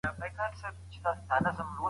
د واک ساتل هوښیاري غواړي.